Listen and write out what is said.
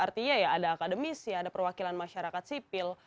artinya ya ada akademisi ada perwakilan masyarakat sipil